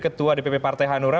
ketua dpp partai hanura